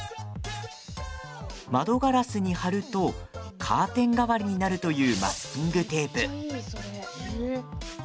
窓ガラスに貼るとカーテン代わりになるというマスキングテープ。